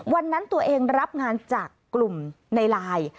วันนั้นตัวเองรับงานจากกลุ่มในไลน์